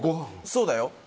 そうだよ。